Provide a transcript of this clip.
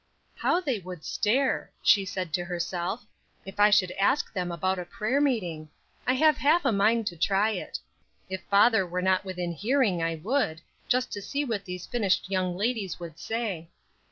"How they would stare," she said to herself, "if I should ask them about a prayer meeting! I have half a mind to try it. If father were not within hearing I would, just to see what these finished young ladies would say."